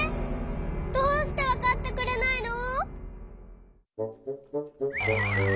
どうしてわかってくれないの！？